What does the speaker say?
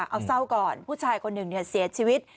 เอาเศร้าก่อนผู้ชายคนหนึ่งเสียชีวิต